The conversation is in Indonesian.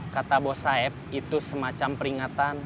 kata bos said itu semacam peringatan